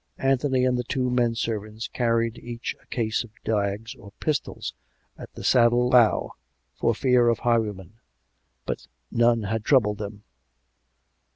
Anthony and the two men servants carried each a case of dags or pistols at the saddle bow, for fear of highwaymen. But none had troubled them.